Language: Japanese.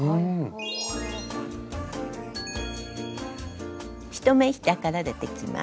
１目下から出てきます。